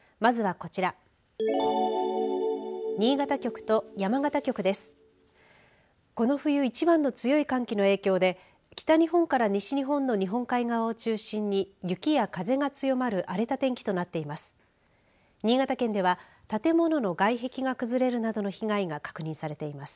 この冬一番の強い寒気の影響で北日本から西日本の日本海側を中心に雪や風が強まる荒れた天気となっています。